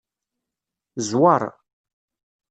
Zweṛ.